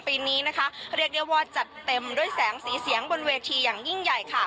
ปีนี้นะคะเรียกได้ว่าจัดเต็มด้วยแสงสีเสียงบนเวทีอย่างยิ่งใหญ่ค่ะ